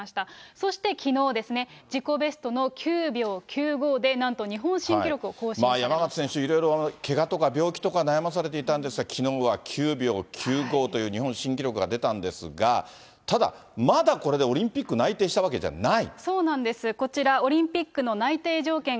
そしてきのうですね、自己ベストの９秒９５で、山縣選手、いろいろけがとか病気とか悩まされていたんですが、きのうは９秒９５という日本新記録が出たんですが、ただ、まだこれでオリンピック内定したわけじゃない。